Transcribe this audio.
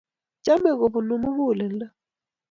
chamee kobunuu mukuleldo